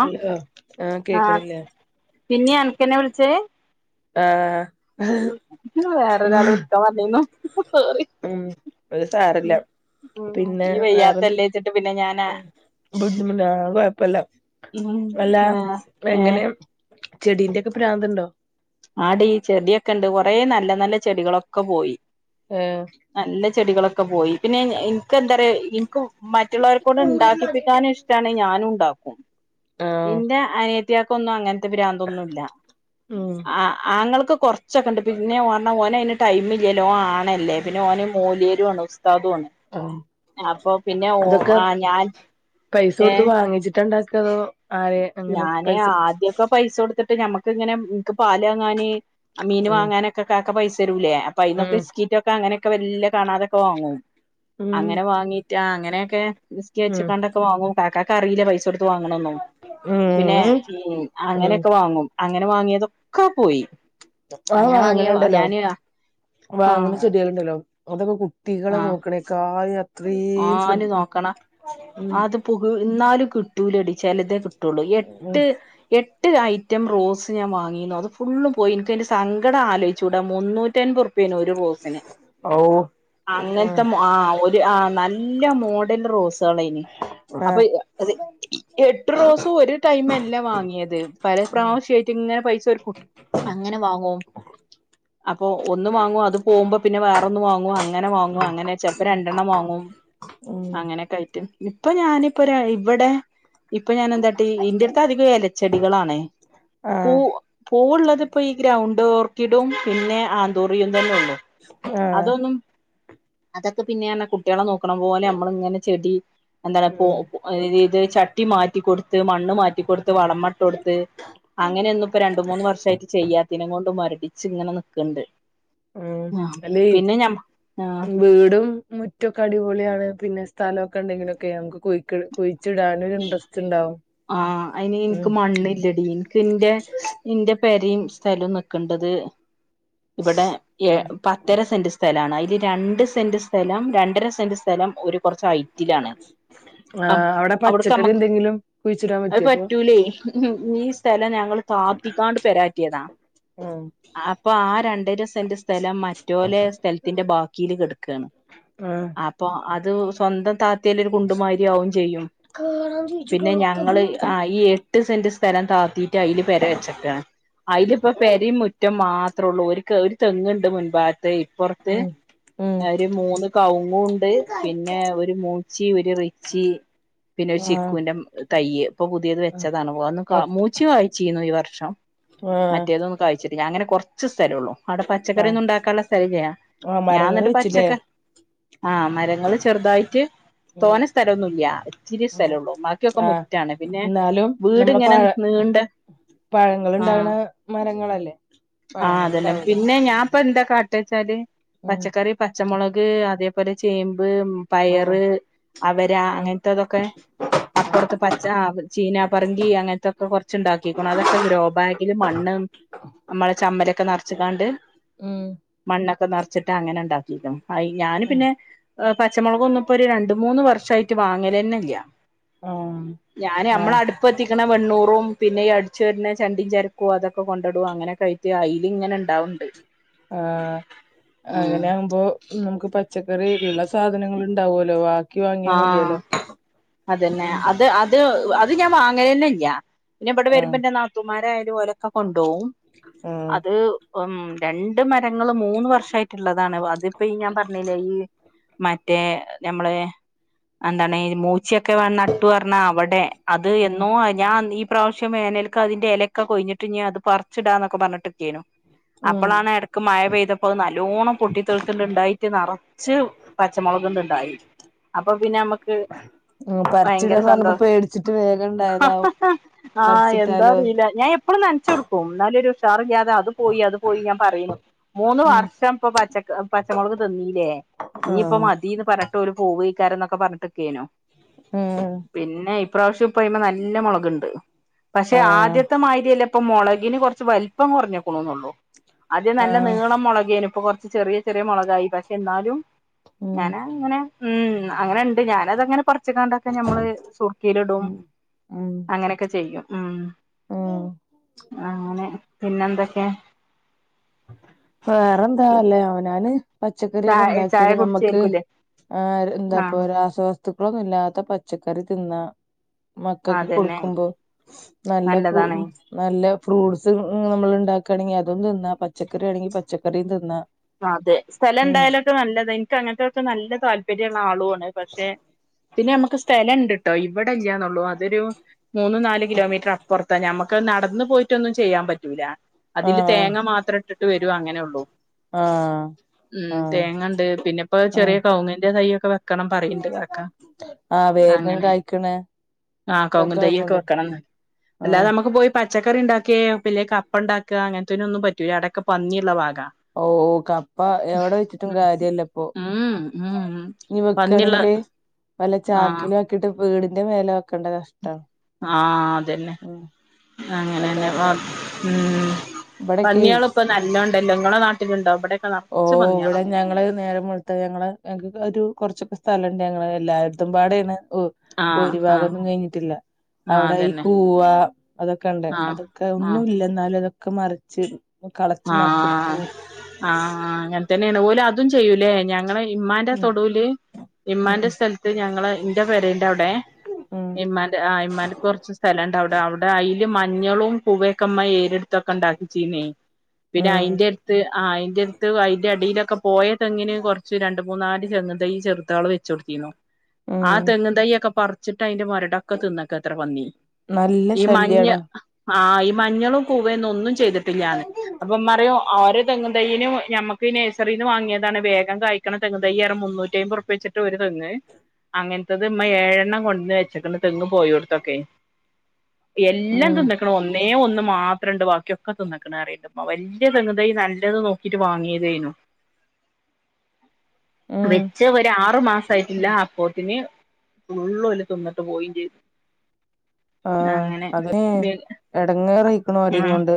Hello ആഹ് കേക്കണില്ലേ. പിന്നീ അനക്ക്ന്നെ വിളിച്ചേ. ആഹ് വേറെരാൾ വിളക്കാൻ പറഞീനു ഹ് സോറി. ഉം അത് സാരല്ല ഉമ് ഈ വയ്യത്തല്ലച്ചിട്ട് പിന്നെ ഞനെ ബുദ്ധിമുടട്ടാ ആഹ് കൊഴപ്പല്ല ഉം അല്ല ആഹ് ഏഹ് എങ്ങനെ ചെടീന്റെ ഒക്കെ പ്രാന്തുണ്ടോ? ആടി ചെടിയൊക്കെണ്ട് കൊറേ നല്ല നല്ല ചെടികളൊക്കെ പോയി. ഈഹ് നല്ല ചെടികളൊക്കെ പോയി പിന്നെ എനിക്ക് എന്താറിയോ നിക്കും മറ്റുള്ളോരെക്കൊണ്ട് ഉണ്ടാക്കിപ്പിക്കാനും ഇഷ്ടാണ് ഞാനും ണ്ടാക്കും ആഹ് ന്റെ അനിയ ത്തിയാക്കൊന്നും അങ്ങനത്തെ പ്രാന്തോന്നും ഇല്ല. ഉം ആ ആങ്ങൾക്ക് കുറച്ചൊക്കെ ണ്ട് പിന്നെ ഓ ഓന് അതിന് ടൈം ഇല്ലല്ലോ ഓന് ആണല്ലേ പിന്നെ ഓന് മോലിയരും ആണ് ഉസ്താദും ആണ് ആഹ് അപ്പൊ പിന്നെ ഓ അതൊക്കെ ആ ഞാൻ പൈസ ഏ കൊടുത്ത് വാങ്ങിച്ച് ട്ട് ണ്ടാക്ക തോ ആരെ അങ്ങനെ ഞാനേ പൈസ ആദ്യൊക്കാ പൈസ കൊടുത്തിട്ട് നമ്മക്ക് ഇങ്ങനെ ഇൻക് പാൽ വാങ്ങാന് മീൻ ഉം വാങ്ങാനൊക്കെ ഇക്കാക്ക പൈസ തരൂലേ അപ്പയിന്നൊക്കെ ഉം ഇസ്കിറ്റൊക്കെ അങ്ങനെയൊക്കെ വലിയ കാണാതൊക്കെ വാങ്ങും ഉം അങ്ങനെ വാങ്ങി റ്റാ അങ്ങനെയൊക്കെ ഉം നിസ്കരിച്ചക്കാണ്ടൊക്കെ വാങ്ങും കാക്കക്ക് അറിയില്ല പൈസ കൊടുത്ത് വാങ്ങണൊന്നും ഉം പിന്നെ ഉം ഉം അങ്ങനെയൊക്കെ വാങ്ങും അങ്ങനെ വാങ്ങിയതൊക്കെ പോയി ആഹ് അങ്ങനെ വാങ്ങിയ വാങ്ങണ്‌ണ്ടാല്ലോ ഞാന് ആ വാങ്ങണ ചെടികളുണ്ടല്ലോ അതൊക്കെ കുട്ടികളെ ആ നോക്കണേക്കൾ ത്രിം ശ്രദ്ധിക്കണം ഉം [unintelligible] ഇന്നാലും കിട്ടൂലടി ചിലതേ കിട്ടുള്ളൂ ഉം എട്ട് എ എട്ട് ഐറ്റം റോസ് ഞാൻ വാങ്ങിയിന്നു അത് ഫുള്ളും പോയി എൻക് അതിന്റെ സങ്കടം ആലോചൂടാം മുന്നൂറ്റമ്പത് റൂ പ്യെനു ഒരു റോസിന് ഔ ഉം അങ്ങനത്തെ ആഹ് ഒര് ആഹ് നല്ലാ മോഡൽ റോസളയിന് അപ്പൊ ആഹ് അത് എട്ട് റോസും ഒരു ടൈമല്ല വാങ്ങിയത് പല ഉം പ്രാവശ്യ ട്ട് ഇങ്ങനെ പൈസ ഒരുകൂട്ടും അങ്ങനെ വാങ്ങും അപ്പൊ ഒന്ന് വാങ്ങും അത് പോകുമ്പോ പിന്നെ വേറൊന്ന് വാങ്ങും അങ്ങനെ വാങ്ങും അങ്ങനെ ചെലപ്പോ രണ്ടെണ്ണം വാങ്ങും ഉം അങ്ങനെയൊക്കെ ആയിട്ട് ഇപ്പൊ ഞാനിപ്പൊരാ ഇവിടെ ഇപ്പൊ ഞാൻ എന്താട്ടി ഇന്റെട്ത് അധികം ഇലച്ചെടികളാണ് പൂ ആഹ് പൂവ്ള്ളതിപ്പോ ഈ ഗ്രൗണ്ട് ഓർക്കിഡും പിന്നെ ആന്തൂറിയും തന്നെ ഉള്ളൂ ആഹ് അതൊന്നും അതൊക്കെ പിന്നെയാന്നാ കുട്ടികളെ നോ ക്കാണപോലെ നമ്മള് ഇങ്ങനെ ചെടി എന്താണ് പോ ഉം [unintelligible] ഇത് ചട്ടി മാറ്റിക്കൊടുത്ത് മണ്ണ് മാറ്റിക്കൊടു വളമ്മട്ടൊടുത്ത് അങ്ങനെയൊന്നും ഇപ്പൊ രണ്ട് മൂന്ന് വർഷായിട്ട് ചെയ്യാത്തിനം കൊണ്ട് മുരടി ച്ച് ഇങ്ങനെ നിക്ക്ണ്ട് ഉം അല്ലേ ആ വീടും മു റ്റൊക്കെ അടിപൊളിയാണ് പിന്നെ സ്ഥലൊക്കെ ഉണ്ടെങ്കിലൊക്കെ നമക്ക് കുഴിക്ക് കുഴിച്ചിടാനും ഒരു ഇന്ട്രെസ്റ്റ് ഇണ്ടാവും ആഹ് അയിന് ഇൻക് മണ്ണില്ലടി ഇൻക് എന്റെ ഇന്റെ പേരേം സ്ഥലം നിക്ക്ണ്ടത് ഇബടെ എ പ ത്തര സെന്റ് സ്ഥലാണ് അതില് രണ്ട് സെന്റ് സ്ഥലം രണ്ടര സെന്റ് സ്ഥലം ഒരു കുറച്ച് ഹയ്റ്റിലാണ് ആം ആഹ് അവിടെ അവിടക്ക് പച്ചക്കറി മ്മക്ക് എന്തെങ്കിലും കുഴിച്ചിടാൻ അത് പറ്റുവോ പറ്റൂലേ ഈ സ്ഥലം ഞങ്ങള് താത്തിങ്ങാണ്ട് പെരാറ്റിയതാ ഉം പ്പൊ ആ രണ്ടര സെന്റ് സ്ഥലം മറ്റോലെ സ്ഥലത്തിന്റെ ബാക്കില് കെട്ക്കാണ് ആഹ് അപ്പൊ അത് സ്വന്തം ത ത്തിലൊരു കുണ്ടുമാരിയാവും ചെയ്യും പിന്നെ ഞങ്ങള് ആഹ് ഈ എ ട്ട് സെന്റ് സ്ഥലം താത്തീട്ട് അയില് പെര വെച്ചക്കേണ് അയിലിപ്പോ പേരേം മുറ്റം മാ ത്രൊള്ളൂ ഒരു കെർ തെങ്ങുണ്ട് മുൻ ഭാഗത്ത് ഇപ്പുറ ഉം ഉം ഒരു മൂന്ന് കൗങ്ങുണ്ട് പിന്നെ ഒരു മൂച്ചി ഒരു റിച്ചി പിന്നെ ഒരു ആഹ് ചിക്കുന്റെ [unintelligible] തയ്യ് ഇപ്പൊ പുതിയത് ആഹ് വെച്ചതാണ്. അഒന്ന് ഓക് മൂച്ചി കായിച്ചീന്നു ഈ വർഷം ആഹ് മറ്റേതൊന്നും കാഴിചിട്ടില്ല ഞാന് അങ്ങനെ കൊറ് ച്ച് സ്ഥലെ ഒള്ളു അവിടെ പച്ചക്കറി ആഹ് ഒന്നും ഇണ്ടാക്കാൻള്ള സ്ഥലം ഇല്ല. ആഹ് ഞാൻ മരങ്ങള് ഇന്നട്ട് വെച്ചില്ലേ പച്ചക്ക ആഹ് മരങ്ങള് ചെറുതായിട്ട് ഉം തോണ സ്ഥലൊ ഒന്നുല്യാ ഇച്ചിരി ഉം സ്ഥലൊള്ളൂ ബാക്കി ഒക്കെ ആഹ് മുറ്റാണ് പിന്നെ എന്നാലും വീട് ഇങ്ങനെ നീണ്ടെ പഴങ്ങള് ഇണ്ടാക്ണ മരങ്ങളല്ലേ ആഹ് അതെല്ലെ. പഴങ്ങളുണ്ടാവൂലോ പിന്നെ ഞാൻ ഇപ്പ എന്താ കാട്ട് വെച്ചാല് ഉം പച്ചക്കറി പച്ചമുളക് അതേപോലെ ചേമ്പ് ഉം പയറ് അവര അങ്ങൻത്തെതൊക്കെ അപ്പൊറത്ത് പച്ച, ചീനാപറങ്കി, അങ്ങൻത്തൊക്കെ കൊറ്ച്ച് ഇണ്ടാക്കിക്ക്ണു. അതൊക്കെ ഗ്രോ ബാഗിൽ മണ്ണ് നമ്മളെ ചമ്മലൊക്കെ നെറ്ച്ചിക്കാണ്ട് ഉം മണ്ണൊക്കെ നെറ്ച്ചിട്ട് അങ്ങനെ ഇണ്ടാക്കിക്ക്ണ്. അയ്ൽ ഞാന് ഉം പിന്നെ പച്ചുളക് ഒന്നു ഇപ്പോ ഒരു രണ്ടു മൂന്ന് വർഷായിട്ട് വാങ്ങലെന്നെഇല്ല ആഹ് ഞാന് ഞമ്മള ആഹ് അടു ഇപ്പത്തിക്ക്ണ വെണ്ണൂറും പിന്നെ ഈ അട്ച്വാര്ന്ന ചണ്ടീ ചരക്കു അതൊക്കെ കൊണ്ടെ ഇടു അങ്ങനെക്കയി അയ്ല് ഇങ്ങനെ ഇണ്ടാവ്ണ്ട് ആഹ് അങ്ങനെ ആകുമ്പോ നമുക്ക് പച്ചക്കറി ഇള്ള സാധനങ്ങൾ ഇണ്ടാവൊല്ലൊ വ ആഹ് അതന്നെ ഉം അത് അത് അത് അത് ഞാൻ വാങ്ങലെന്നെ ഇല്ല. പിന്നെ ഇബടെ വരുമ്പ ആഹ് ഇന്റെ നാത്തുമാരായാലു ഓലൊക്കെ കൊണ്ടോവും. ആഹ് അത് ഉം രണ്ട് മരങ്ങള് മൂന്ന് വർഷായിട്ട് ഇള്ളതാണ്. അതിപ്പ ഈ ഞാൻ പറ്ഞ്ഞില്ലേ ഈ മറ്റേ ഞമ്മളെ എന്താണ് മൂച്യക്കെ നട്ടു പറ്ഞ്ഞാ അവടെ അത് ആഹ് എന്നോ ഞാൻ ഈ ഇപ്രാവശ്യം വേനൽക്ക് അതിന്റെ എലെക്കെ കൊഴ്ഞ്ഞിട്ട് ഞാ അത് പറിച്ചിടാന്നൊക്കെ പറഞ്ഞിട്ട്ക്കേനു ഉം അപ്പളാണ് എടക്ക് മഴ പെയ്തപ്പോ അത് നല്ലോണം പൊട്ടിത്തെൾത്തിണ്ട് ഇണ്ടായിട്ട് നറച്ച് പച്ചമുളക്ണ്ട് ഇണ്ടായി അപ്പ പിന്നെ അമ്മക്ക് ഉം ഭയങ്കര പറിച്ചിടാന്ന് പറഞ്ഞപ്പോ സന്തോഷം പേടിച്ചിട്ട് വേഗം ഹ ഹ ഉണ്ടായതാവും ഹ [inaudible] ആഹ് എന്താ പറിച്ചിട്ടാലോ അറീല്ല. ഞാൻ എപ്പളും നനച്ച് കൊടുക്കും. ഇന്നാലു ഒരു ഉഷാർലാതെ അത് അത് പോയി അത് പോയി ഞാൻ പറയുണു. മൂന്ന് ഉം വർഷം ഇപ്പൊ പച്ച പച്ച മൊളക് തിന്നീല്ലേ ഇഞ്ഞ്പ്പ ആഹ് മതീന്ന് പറ്ഞ്ഞിട്ട് ഓല് പോവ ക്കാര ഇന്നൊക്കെ പറഞ്ഞിട്ട്ക്കേനോ ഉം പിന്നെ ഇ പ്രാവശ്യം പ്പയ്മെ നല്ല മൊളക്ണ്ട് പക്ഷെ ആഹ് ആദ്യത്തെ മായ്ര്യല്ല ഇപ്പൊ മൊളകിന് കൊറ്ച്ച് വല് പ്പം കൊറ്ഞ്ഞക്ക്ണുന്നൊള്ളു ആദ്യം നല്ല ആഹ് നീളം മൊളകേനു. ഇപ്പൊ കൊറ്ച്ച് ചെറിയ ചെറിയ മൊളകായി പക്ഷെ ഇന്നാലും ഉം ഞാന് അങ്ങനെ ഉം ഉം അങ്ങനെ ഇണ്ട് ഞാന് അത് അങ്ങനെ [unintelligible] വച്ച്കാണ്ടൊക്കെ നമ്മള് അത് സുർക്കേല് ഇടും. ഉം ഉം അങ്ങനെ ഒക്കെ ചെയ്യും ഉം ഉം അങ്ങനെ പിന്നെ എന്തൊക്കെ വേറെ എന്താ അല്ലേ അവനാന് പച്ചക്കറി ഒക്കെ ചായ ചായ ഇണ്ടാക്ക്യാല് നമക്ക് കുടിച്ചായിരിക്കൂല്ലേ ആഹ് ആഹ് എന്താപ്പോ റ്യാ ആസ്വാ വസ്ത്തുക്കളൊന്നുല്ലാത്ത പച്ചക്കറി തിന്ന മക്കക്ക് അതന്നെ കൊടുക്കുമ്പോ നല്ല നല്ലതാണ് [unintelligible] നല്ല ഫ്രൂട്ട്സ് നമ്മൾ ഇണ്ടാക്കാണെങ്കി അതും തിന്ന പച്ചക്കറി ആണെങ്കി പച്ചക്കറിം തിന്നാ അതെ. സ്ഥലം ഉം ഇണ്ടായാലൊക്കെ നല്ലത്. എൻക്ക് അങ്ങൻത്തൊക്കെ നല്ല താല്പര്യ ഇള്ള ആളു ആണ്. പക്ഷെ പിന്നെ നമക്ക് സ്ഥലം ഇണ്ട്ട്ടോ. ഇവിടെ ഇല്ലാന്നൊള്ളു അതൊരു മൂന്നു നാല് കിലോമീറ്റർ അപ്പൊറ്ത്ത. ഞ്ഞമ്മക്ക് നടന്നു പോയിട്ടൊന്നും ചെയ്യാൻ പറ്റൂല അതില് ആഹ് തേങ്ങ മാത്രം ഇട്ടിട്ട് വരു അങ്ങനെ ഒള്ളൂ ആഹ ഉം തേങ്ങ ണ്ട് പിന്നെ ഇപ്പ ചെറിയ കവുങ്ങിന്റെ തൈയൊക്കെ വെ ആഹ വേഗം കായ്ക്ക്ണെ ആഹ കോങ്ങ് തൈ യ്യൊക്കെ വെക്കണംന്ന് അല്ലാതെ ആഹ് അമ്മക്ക് പോയി പച്ചക്കറിണ്ടാക്കെ അല്ലെ കപ്പണ്ടാക്ക അങ്ങനത്തയിന് ഒന്നും പറ്റൂല അടക്കെ പന്നിള്ള ഭാഗ ഓ ഓക്ക അപ്പ എവടെ വെച്ചിട്ടും കാര്യല്ല പ്പോ ഉം ഉം ഞ്ഞി പന്നിയുള്ള വെക്കണെങ്കില് വല്ല ആഹ് ചാക്കിലും ആക്കിട്ട് വീടിന്റെ മേല വെക്കേണ്ട കഷ്ട ആഹ അതന്നെ അങ്ങനെന്നെ അല്ലാണ്ട് ഉം ഇവിടൊക്കെ പന്നിള് ഇപ്പം നല്ലോണ്ട് ല്ലങ്ങള നാട്ടിലുണ്ടോ ഇവിടെ ഓ ഇവിടെ ഞങ്ങള് നേരം വെള്ത്ത് ഞങ്ങള് ഞങ്ങക്ക് ഒരു കോറച്ചൊക്കെ സ്ഥലണ്ട് ഞങ്ങള് എല്ലാര്തും പാടെ യാണ് ഓ ആഹ് ഓരി ആഹ് ഭാഗോന്നും കഴിഞ്ഞിട്ടില്ല ആഹ് ഔടെ ഈ അതന്നെ കൂവ അതൊക്കെ ണ്ട് ആഹ് അതൊക്കെ ഒന്നും ആഹ് ഇല്ല എന്നാലും അതൊക്കെ മറിച്ച്ഇടും കളച്ച് മറിച്ചിട്ട് പോവും ആഹ അങ്ങനെ തന്നെയാണ് ഓല് അതും ചെയ്യൂലെ ഞങ്ങള് ഇമ്മാന്റെ ഉം തൊടുല് ഉം ഇമ്മാന്റെ സ്ഥലത്ത് ഞങ്ങള് ഇന്റെ പേരൻ്റെ ഔടെ ഉം ഇമ്മാ ആ ഇമ്മാൻ്റെ കൊറച്ച് സ്ഥലംണ്ട് ഔടെ ഔടെ അയില് മഞ്ഞളും കുവേക്ക ഇമ്മ ഏരെടുത്തൊക്കെ ണ്ടാക്കിച്ചിനി പിന്നെ ഉം അയിൻ്റെട് ത്ത് ആ അയിൻ്റടുത്ത് അയിന്റെ അടിയിലൊക്കെ പോയ തെങ്ങിന് കോറച്ച് രണ്ട് മൂന്നാല് തെങ്ങ് തയ്യി ചെറ്തള് വെ ചോട്തീന്നു ആ ഉം തെങ്ങ് തൈ ഒക്കെ പറിച്ചിട്ട് അയിന്റെ മൊരടൊക്കെ തിന്ന്ക്കാത്ര പന്നി നല്ല ഈ മഞ്ഞ ശല്യാണ് ആ ഈ മഞ്ഞളും കൂവന്നും ഒന്നും ചെയ്തിട്ടില്ലാന്ന് അപ്പൊ ഇമ്മറിയും ആ ഒരു തെങ്ങ് തൈന് നമ്മക്ക് ഈ നെയ്‌സറിന്ന് വാങ്ങിയതാണ് വേഗം കായ്ക്കണ തെങ്ങ് തൈയ്യിറ് മുന്നൂറ്റി അയിമ്പത് ഉറപ്പ്യാചിട്ട് ട്ട് ഒരു തെങ്ങ് അങ്ങ ത്തത് മ്മ ഏയെണ്ണം കൊണ്ടന്ന് വെച്ചക്കന്ന് തെങ്ങ് പോയോട്ത്തൊക്കെ എല്ലാം ഉം തിന്ന് ഒന്നേ ഒന്ന് മാത്രണ്ട് ബാക്കിയൊക്കെ തിന്നക്കണ അറിയ വല്യ തെങ്ങ്തയി നല്ലത് നോക്കിട്ട് വാങ്ങിയതേനു ഉം വെച്ച് ഒരു ആറു മാസയിട്ടില്ല അപ്പോത്തിന് ഫുള്ളൂ ഓല് തിന്നിട്ട് പോയിം ചെയ്ത് ആഹ അതന്നെ എടങ്ങേറയിക്കണ് അതീം ഉം കൊണ്ട്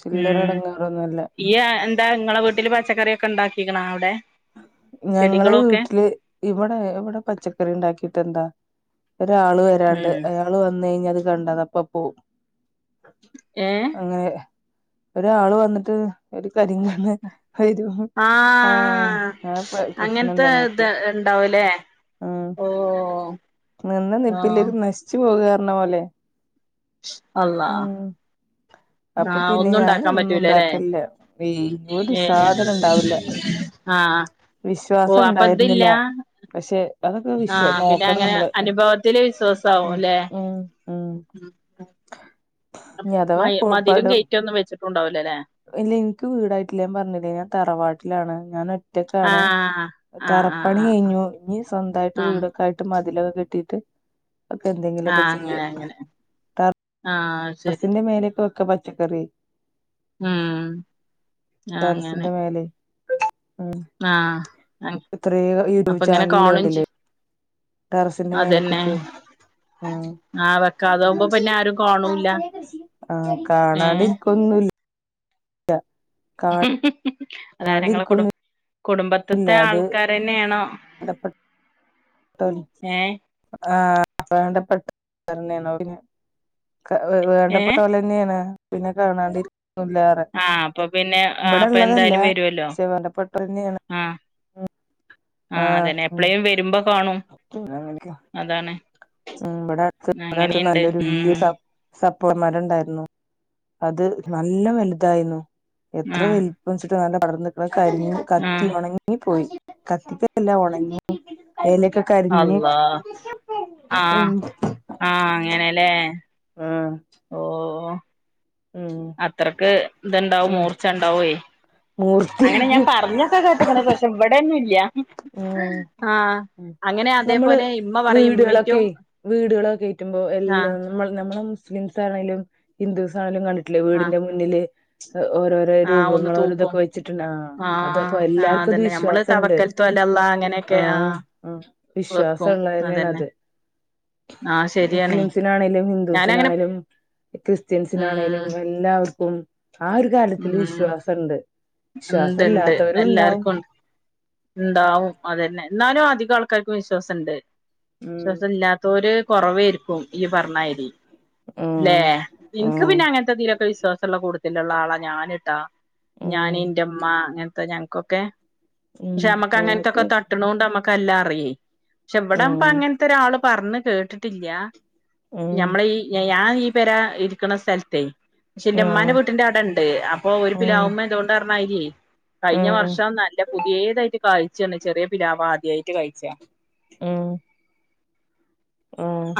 ചില്ലറ എടങ്ങാറൊന്നുല്ല ഈ എന്താ ഇങ്ങളെ വീട്ടില് പച്ചക്കറി ഒക്കെ ണ്ടാക്കിക്കണോ ഔടെ ഞങ്ങള് വീട്ടില് ഇവടെ ഇവടെ പച്ചക്കറി ണ്ടാക്കിട്ട് എന്താ ഒരാള് വരാണ്ട് ഉം അത് വന്ന് കഴിഞ്ഞ അത് കണ്ടതെക്കേ പോവും ഏ അങ്ങനെ ഒരാള് വന്നിട്ട് ഒരു കരിംകണ്ണ് വരു ആ ആഹ് അങ്ങനത്തെ ത് ണ്ടാവുലെ ആ നിന്ന ആഹ് നിപ്പിലിത് നശിച്ചു പോവന്നറ്ഞപോലെ അള്ളാ [inaudible] അപ്പൊ ആഹ് പിന്നെ ഒന്നും ഉണ്ടാക്കാൻ ഞാനൊന്നും പറ്റൂലല്ലേ ണ്ടാക്കലില്ല ഈ ഒരു ഏ സാധനം ണ്ടാവൂല്ല ആഹ് ഓ വിശ്വാസം അപ്പൊ ണ്ടായിരുന്നില്ല ഇതില്ല പക്ഷെ അതൊക്കെ വിശ് ആഹ് പിന്നെ നോക്കണം അങ്ങനെ നമ്മള് അനുഭവത്തില് വിശ്വാസാവും ഉം അല്ലെ ഉം [inaudible] ഇനി അഥവാ മയ് മതിലും പടു ഗെയ്റ്റും ഒന്നും വെച്ചിട്ടുണ്ടാവൂല ലെ ഇല്ല ഇന്ക്ക് വീടായിട്ടില്ല ഞാൻ പറഞ്ഞിലെ ഞാൻ തറവാട്ടിലാണ് ഞാനൊ റ്റക്കാണ് ആഹ് ആഹ് ആഹ് തറപ്പണി ആഹ് കഴിഞ്ഞു ഇഞ്ഞി സ്വന്തായിട്ട് ആഹ് വീടൊക്കൊയിട്ട് മതിലൊക്കെ കെട്ടി ട്ട് ആഹ് അങ്ങനെ അങ്ങനെ ആഹ് ശരി ബസിന്റെ മേലേക്കെ വെക്ക പച്ചക്കറി ഉം ആഹ് അങ്ങനെ ടെറസിന്റെ മേലെ ഉം ആഹ് ഇത്രയ യൂട്യൂബ് അപ്പൊ ഇങ്ങനെ ചാനല കാണും കണ്ടില്ലേ ചെയ് ടറസിന്റെ അതന്നെ മേലക്കുട്ടിക്കിയെ ഉം ആഹ് വെക്കാതാവുമ്പോ പിന്നെ ആരും കാണൂല്ല ആഹ് കാണാണ്ട് ഏഹ് ഒന്നും ഇല്ല [unintelligible] കാണാണ്ട് അതാരങ്ങളെ കുടും ഇരിക്കൊന്നുല്ല കുടുംബത്തിത്തെ അത് ആൾക്കാർ തന്നെയാണോ [unintelligible] [unintelligible] ഏഹ് ആഹ് വേണ്ടപ്പട്ട ആളുകൾ തന്നെ ആണ് ഏഹ് വേണ്ടപ്പെട്ടോല് തന്നെയാണ് പിന്നെ കാണാണ്ടിരിക്കില്ല ആഹ് അപ്പൊ പിന്നെ അപ്പൊ എന്തായാലും വരുവല്ലോ പക്ഷെ വേണ്ടപ്പെട്ട തന്നെയാണ് ആഹ് ആഹ് അതന്നെ എപ്പളും വരുമ്പോ കാണും അങ്ങനെയൊക്കെ അതാണ് ഉം ഇവിടെ അടുത്ത് ഇവിടെ അടുത്ത് അങ്ങനെയുണ്ട് നല്ലൊരു വലിയ ഉം സപോട്ട മരം ഉണ്ടായിരുന്നു അത് നല്ല വലുതായിരുന്നു എത്ര ആഹ് വലു [unintelligible] കടർന്ന് കിടക്ക അരി കത്തി ആഹ് ഉണങ്ങി [unintelligible] പോയി കത്തിക്കല്ല ഉണങ്ങി വെയിൽലൊക്കെ അള്ളാ ഉം ആഹ് ആഹ് അങ്ങനെല്ലേ ആഹ് ഓഹ് ഉം അത്രയ്ക്ക് ഇത്ണ്ടാവും ഉം മൂർച്ച ഉണ്ടാവേ മൂർത്തി അങ്ങനെ ഞാൻ പറഞ്ഞ [unintelligible] ഇവിടന്നില്ല ഉം ഉം അങ്ങനെ നമ്മള് അതേപോലെ ഇമ്മ പറയും വീടുകളൊക്കെ ഇമ്മീറ്റും വീടുകളൊ ക കറ്റുമ്പോ ആഹ് എല്ലാം നമ്മ നമ്മെള മുസ്ലിംസ് ആണെങ്കിലും ഹിന്ദൂസ് ആണെങ്കലും കണ്ടിട്ടില്ലേ ആഹ് വീടിന്റെ മുന്നില് ഓരോരോ ആഹ് ഒന്ന് രൂപങ്ങളോര തൂക്കും ഇതൊക്കെ വെച്ചിട്ടുണ്ട് ആഹ് അത് അപ്പോ ആഹ് ആഹ് എല്ലാർക്കും അത് അതന്നെ നമ്മള് വിശ്വാസം ഉണ്ട് തവക്കൽത്തു അലല്ലാഹ് അങ്ങനെയൊക്കെ ആഹ് ആഹ് വിശ്വാസ വെക്കും ഉള്ളത് തന്നെയാണ് അതന്നെ അത് ആഹ് ശരിയാണേ മുസ്ലിംസിനാണെങ്കിലും ഞാനങ്ങനെ ഹിന്ദൂസിനാണേങ്കിലും ക്രിസ്ത്യൻസിനാണെങ്കിലും ഉം എല്ല എല്ലാവർക്കും ആഹ് ഒരു കാരിയത്തില് ഉം വിശ്വാസമുണ്ട് വിശ്വാസ ഇണ്ട് ഇണ്ട് ഇല്ലാത്തവരും എല്ലാർക്കും ഉണ്ടാവും ഉണ്ട്. ഉണ്ടാവും അത് തന്നെ എന്നാലും അധികം ആൾക്കാർക്കും വിശ്വാസം ഉണ്ട് ഉം വിശ്വാസം ഇല്ലാത്തൊര് കുറവായിരിക്കും ഈ പറഞ്ഞമാതിരി ആഹ് ഏഹ് എനിക്ക് പിന്നെ അങ്ങനത്തെതില് ഒക്കെ വിശ്വാസംമുള്ള കൂടുത്തിൽ ഉള്ള ആളാ ഞാനിട്ടാ ഞാൻ ഉം ഇന്റെ ഇമ്മ അങ്ങനത്തെ ഞങ്ങക്കൊക്കെ ഉം പക്ഷെ നമ്മക്ക് അങ്ങനത്തൊക്കെ ഞങ്ങക്ക് തട്ടണണ്ട്മ്മക്ക് കല്ലാറിയേ പക്ഷെ ഇവിടപ്പൊ ഉം അങ്ങനത്തെ ഒരാള് പറഞ് കേട്ടിട്ടില്ല ഉം ഞമ്മള് ഈ ഞാൻ ഈ പെരാ ഇരിക്കുന്ന സ്ഥലത്തേ പക്ഷെ എന്റെ ഇമ്മാന്റെ ആഹ് വീട്ടിന്റെ അടെ ഉണ്ട് അപ്പൊ ഒരു ഉം പിലാവുമ്മ ഇത്കൊണ്ട് പറഞ്ഞാമാതിരി കഴിഞ്ഞ ഉം വർഷം നല്ല പുതിയതായിട്ട് കഴിച്ചാണ് ചെറിയ പിലാവ് ആദ്യായിട്ട് കഴിച്ചാ ഉം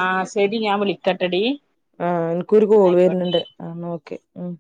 ആഹ് ശരി ഞാൻ വിളിക്കട്ടടി ആഹ് എനിക്കൊരു കോൾ വരുന്നുണ്ട് ആഹ് ഒക്കെ ഉം